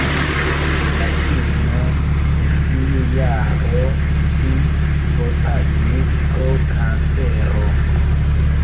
Je la fino de tiu jaro ŝi forpasis pro kancero.